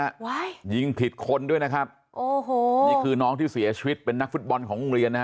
ยิงผิดคนด้วยนะครับโอ้โหนี่คือน้องที่เสียชีวิตเป็นนักฟุตบอลของโรงเรียนนะฮะ